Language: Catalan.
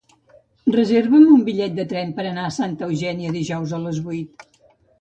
Reserva'm un bitllet de tren per anar a Santa Eugènia dijous a les vuit.